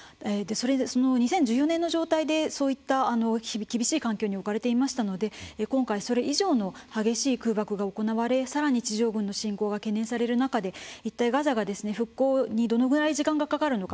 その２０１４年の状態でそういった厳しい環境に置かれていましたので今回、それ以上の激しい空爆が行われさらに地上軍の侵攻が懸念される中で一体、ガザが復興にどのぐらい時間がかかるのか。